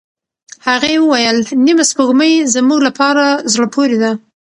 هغې وویل، نیمه سپوږمۍ زموږ لپاره زړه پورې ده.